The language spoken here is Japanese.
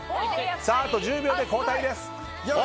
あと１０秒で交代です。